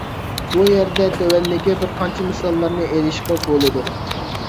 بۇ يەردە تۆۋەندىكى بىر قانچە مىساللارنى ئېلىشقا بولىدۇ.